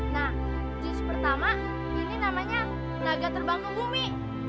nah jurus pertama ini namanya naga terbang ke bumi